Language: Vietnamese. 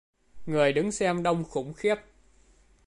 Người đứng Xem đông khủng khiếp